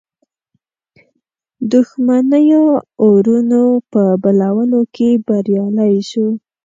دښمنیو اورونو په بلولو کې بریالی سو.